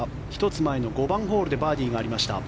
１つ前の５番ホールでバーディーがありました。